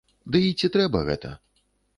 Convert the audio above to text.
Ды і ці трэба гэта?